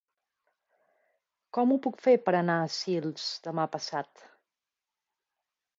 Com ho puc fer per anar a Sils demà passat?